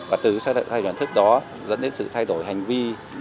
và từ thay đổi cái nhận thức đó dẫn đến sự thay đổi hành vi